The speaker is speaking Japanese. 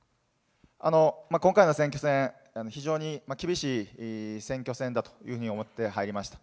今回の選挙戦、非常に厳しい選挙戦だというふうに思って、入りました。